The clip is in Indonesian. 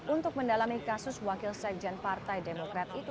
untuk mendalami kasus wakil sekjen partai demokrat itu